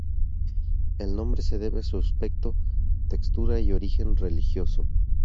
El nombre se debe a su aspecto, textura y origen "religioso".